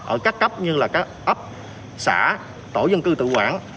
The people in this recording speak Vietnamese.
ở các cấp như là các ấp xã tổ dân cư tự quản